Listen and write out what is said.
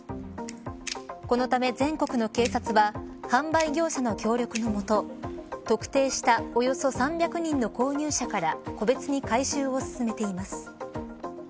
このため全国の警察は販売業者の協力のもと特定したおよそ３００人の購入者から個別に回収を進めています。